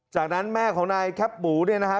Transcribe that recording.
จากนั้นแม่ของนายแคปหมูเนี่ยนะฮะ